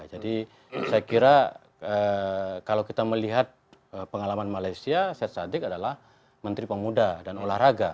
jadi saya kira kalau kita melihat pengalaman malaysia syed sadiq adalah menteri pemuda dan olahraga